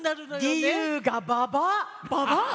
りゆうがババア！